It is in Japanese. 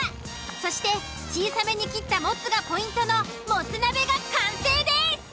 そして小さめに切ったモツがポイントのモツ鍋が完成です！